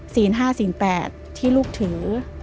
ศีลห้าศีลแปดที่ลูกถือ